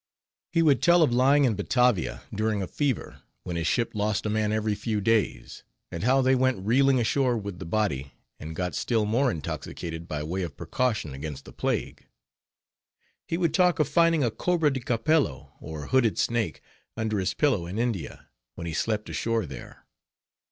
He would tell of lying in Batavia during a fever, when his ship lost a man every few days, and how they went reeling ashore with the body, and got still more intoxicated by way of precaution against the plague. He would talk of finding a cobra di capello, or hooded snake, under his pillow in India, when he slept ashore there.